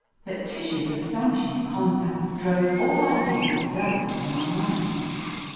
But Tish's aston ishing conduct drove all idea of going from our minds.